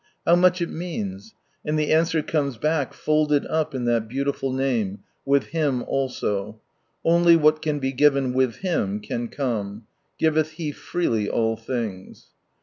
How much it means ! And the answer comes back folded up in that beautiful Name ;" with Him also " (only what can be given wilh Him can come,) giveth He freely all things.